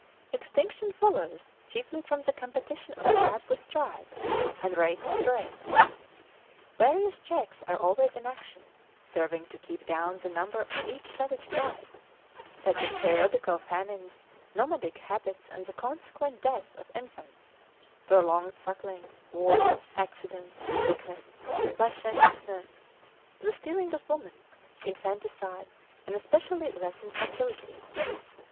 Extinction follows chiefly from the competition of tribe with tribe, and race with race. Various checks are always in action, serving to keep down the numbers of each savage tribe,—such as periodical famines, nomadic habits and the consequent deaths of infants, prolonged suckling, wars, accidents, sickness, licentiousness, the stealing of women, infanticide, and especially lessened fertility.